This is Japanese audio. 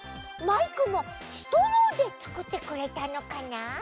マイクもストローでつくってくれたのかな？